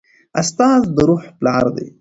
استاد د روح پلار دی.